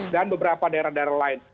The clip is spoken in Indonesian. dan beberapa daerah daerah lain